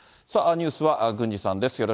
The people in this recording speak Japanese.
さあ、ニュースは郡司さんです。